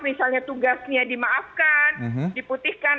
misalnya tugasnya dimaafkan diputihkan